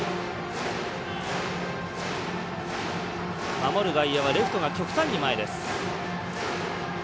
守る外野はレフトが極端に前です。